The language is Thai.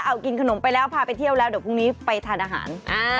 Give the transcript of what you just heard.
เอากินขนมไปแล้วพาไปเที่ยวแล้วเดี๋ยวพรุ่งนี้ไปทานอาหาร